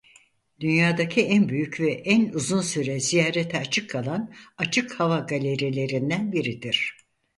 Dünyadaki en büyük ve en uzun süre ziyarete açık kalan açık hava galerilerinden biridir.